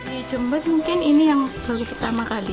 ini jembat mungkin yang pertama kali